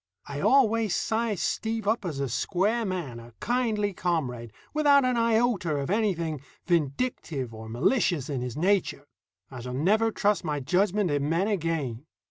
I always sized Steve up as a square man, a kindly comrade, without an iota of anything vindictive or malicious in his nature. I shall never trust my judgment in men again.